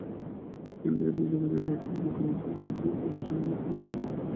ইন্দ্রিয়ভোগজনিত সুখ ক্ষণস্থায়ী ও তাহার সহিত অবশ্যম্ভাবী দুঃখও অনিবার্য।